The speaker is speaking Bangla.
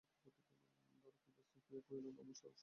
দারুকেশ্বর ব্যস্ত হইয়া কহিল, না মশায়, ও-সব রুগীর পথ্যি চলবে না!